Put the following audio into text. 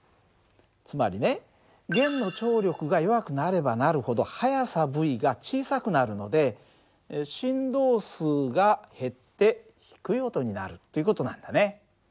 つまりね弦の張力が弱くなればなるほど速さυが小さくなるので振動数が減って低い音になるっていう事なんだね。